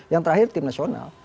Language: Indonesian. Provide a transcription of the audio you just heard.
yang terakhir tim nasional